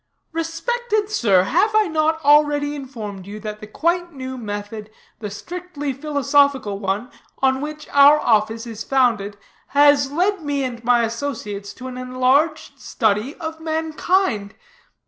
"Respected sir, have I not already informed you that the quite new method, the strictly philosophical one, on which our office is founded, has led me and my associates to an enlarged study of mankind.